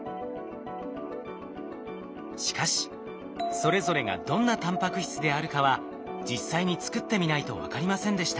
しかしそれぞれがどんなタンパク質であるかは実際に作ってみないと分かりませんでした。